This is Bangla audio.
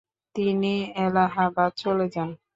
তিনি এলাহাবাদ চলে যান।